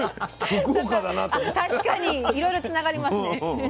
確かにいろいろつながりますね。